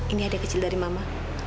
ini hadiah kecil dari mama